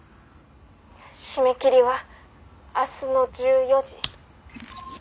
「締め切りは明日の１４時」